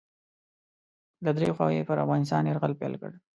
له دریو خواوو یې پر افغانستان یرغل پیل کړ.